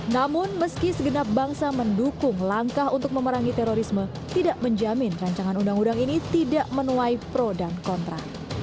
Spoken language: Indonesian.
namun meski segenap bangsa mendukung langkah untuk memerangi terorisme tidak menjamin rancangan undang undang ini tidak menuai pro dan kontra